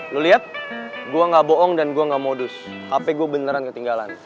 lu lihat gue gak bohong dan gue gak modus hp gue beneran ketinggalan